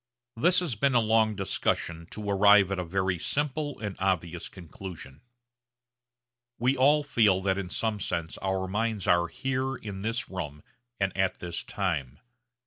This has been a long discussion to arrive at a very simple and obvious conclusion. We all feel that in some sense our minds are here in this room and at this time.